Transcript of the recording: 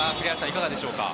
いかがでしょうか。